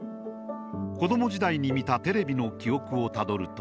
子供時代に見たテレビの記憶をたどると？